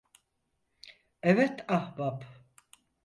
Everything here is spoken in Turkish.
Evet ahbap.